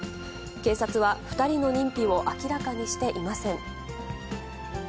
警察は、２人の認否を明らかにしていません。